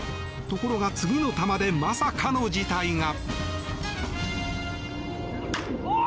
ところが次の球でまさかの事態が。